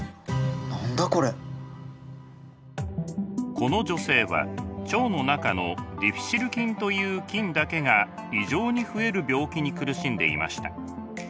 この女性は腸の中のディフィシル菌という菌だけが異常に増える病気に苦しんでいました。